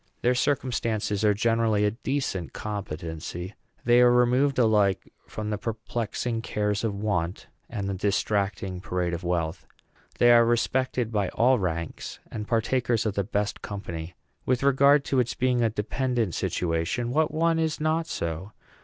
Their circumstances are generally a decent competency. They are removed alike from the perplexing cares of want and from the distracting parade of wealth. They are respected by all ranks, and partakers of the best company. With regard to its being a dependent situation, what one is not so?